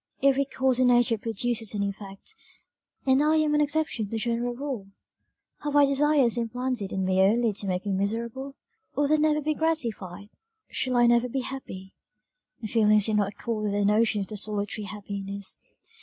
Every cause in nature produces an effect; and am I an exception to the general rule? have I desires implanted in me only to make me miserable? will they never be gratified? shall I never be happy? My feelings do not accord with the notion of solitary happiness.